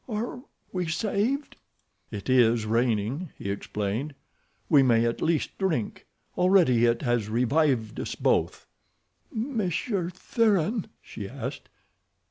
"Are we saved?" "It is raining," he explained. "We may at least drink. Already it has revived us both." "Monsieur Thuran?" she asked.